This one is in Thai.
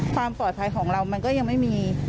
ความปลอดภัยของเรามันก็ยังไม่มี